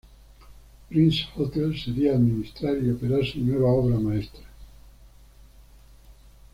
Princess Hotels sería administrar y operar su nueva obra maestra.